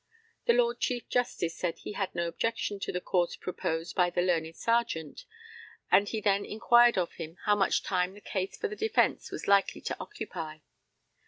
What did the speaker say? The LORD CHIEF JUSTICE said he had no objection to the course proposed by the learned Serjeant, and he then inquired of him how much time the case for the defence was likely to occupy.